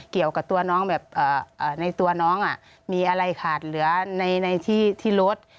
เกี่ยวกับตัวน้องแบบในตัวน้องมีอะไรขาดเหลือในที่รถ